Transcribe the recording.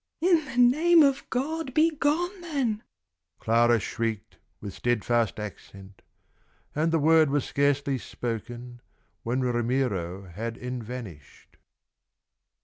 "In the name of God, begone then!" Clara shrieked, with steadfast accent. And the word was scarcely spoken, When Ramiro had evanished.